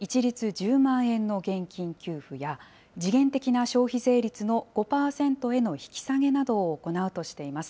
１０万円の現金給付や、時限的な消費税率の５％への引き下げなどを行うとしています。